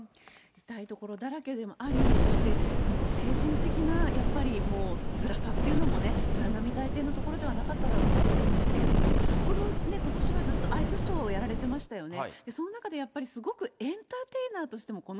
痛いところだらけでもあり、そして、その精神的なやっぱり、もうつらさっていうのもね、それは並大抵のところではなかっただろうなと思うんですけれども、この、ことしはずっとアイスショーをやられてましたよね。